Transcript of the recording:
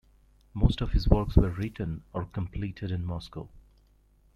Most of his works were written or completed in Moscow.